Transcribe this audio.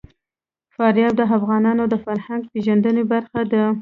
فاریاب د افغانانو د فرهنګي پیژندنې برخه ده.